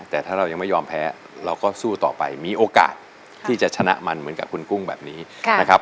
แต่ถ้าเรายังไม่ยอมแพ้เราก็สู้ต่อไปมีโอกาสที่จะชนะมันเหมือนกับคุณกุ้งแบบนี้นะครับ